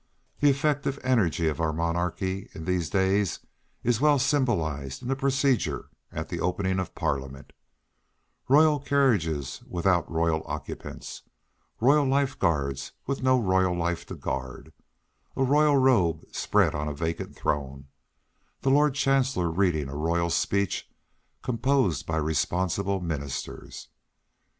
The effective energy of our monarchy in these days is well symbolised in the procedure at the opening of Parliament—royal carriages without royal occupants; royal life guards with no royal life to guard; a royal robe spread on a vacant throne; the Lord Chancellor reading a royal speech composed by responsible ministers.